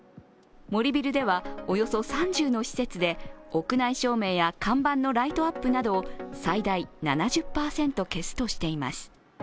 森ビルでは、およそ３０の施設で屋内照明や看板のライトアップなどを最大７０％消すとしています。